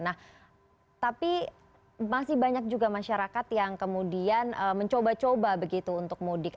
nah tapi masih banyak juga masyarakat yang kemudian mencoba coba begitu untuk mudik